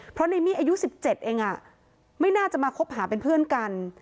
เพราะนายมี่อายุสิบเจ็ดเองอ่ะไม่น่าจะมาคบหาเป็นเพื่อนกัน